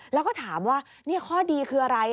แล้วก็ถามว่าข้อดีคืออะไร